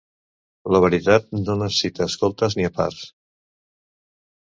La veritat no necessita escoltes ni aparts.